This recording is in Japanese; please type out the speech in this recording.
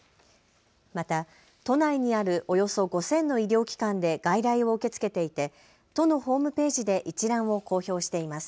また都内にあるおよそ５０００の医療機関で外来を受け付けていて都のホームページで一覧を公表しています。